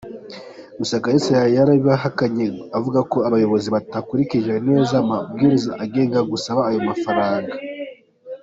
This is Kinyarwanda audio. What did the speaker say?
Gusa Kalisa we yarabihakanye, avuga ko abayobozi batakurikije neza amabwiriza agenga gusaba ayo mafaranga.